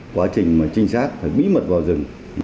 quá trình trinh sát bí mật vào rừng